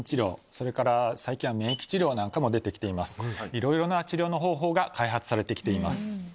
いろいろな治療の方法が開発されてきています。